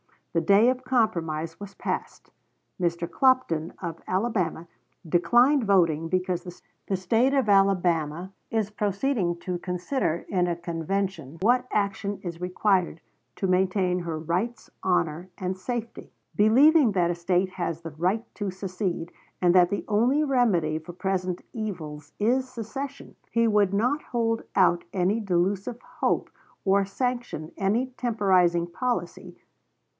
The day of compromise was past. Mr. Clopton, of Alabama, declined voting because the State of Alabama is proceeding to consider in a convention what action is required to maintain her rights, honor, and safety. Believing that a State has the right to secede, and that the only remedy for present evils is secession, he would not hold out any delusive hope or sanction any temporizing policy.